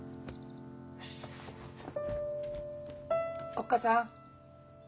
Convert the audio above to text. ・おっかさん。